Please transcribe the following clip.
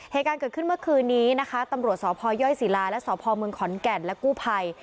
เหตุการณ์เกิดขึ้นเมื่อคืนนี้นะคะตำรวจสพยศิลาและสพเมืองขอนแก่นและกู้ภัย